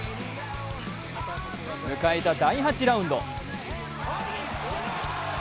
迎えた第８ラウンド。